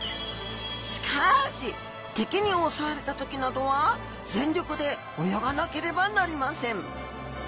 しかし敵に襲われた時などは全力で泳がなければなりません。